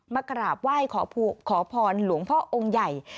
มากราบไหว้ขอพรหลวงพ่อองค์ใหญ่